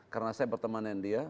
karena saya berteman dengan dia